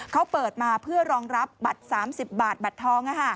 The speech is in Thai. เขาเปิดมาเพื่อรองรับบัตร๓๐บาทบัตรทอง